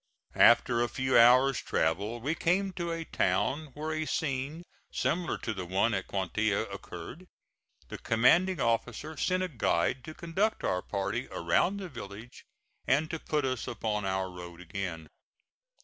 After a few hours' travel we came to a town where a scene similar to the one at Cuantia occurred. The commanding officer sent a guide to conduct our party around the village and to put us upon our road again.